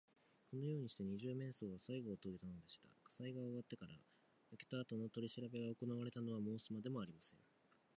このようにして、二十面相はさいごをとげたのでした。火災が終わってから、焼けあとのとりしらべがおこなわれたのは申すまでもありません。